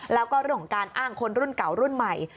แล้วก็เรื่องของการอ้างคนรุ่นเก่ารุ่นใหม่